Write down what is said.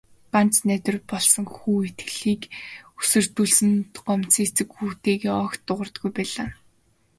Ганц найдвар болсон хүү итгэлийг нь хөсөрдүүлсэнд гомдсон эцэг хүүтэйгээ огт дуугардаггүй байлаа.